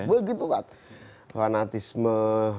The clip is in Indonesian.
begitu kuat fanatisme